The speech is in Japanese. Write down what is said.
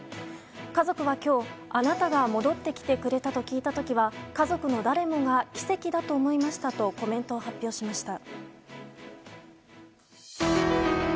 家族は今日あなたが戻ってきてくれたと聞いた時は家族の誰もが奇跡だと思いましたとコメントを発表しました。